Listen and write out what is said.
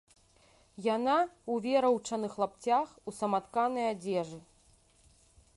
Яна ў вераўчаных лапцях, у саматканай адзежы.